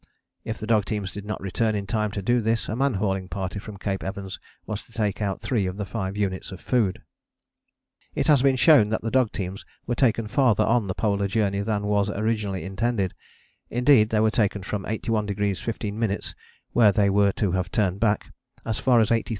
If the dog teams did not return in time to do this a man hauling party from Cape Evans was to take out three of the five units of food. It has been shown that the dog teams were taken farther on the Polar Journey than was originally intended, indeed they were taken from 81° 15´, where they were to have turned back, as far as 83° 35´.